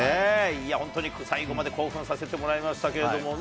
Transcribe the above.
いや本当に、最後まで興奮させてもらいましたけれどもね。